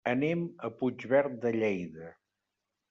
Anem a Puigverd de Lleida.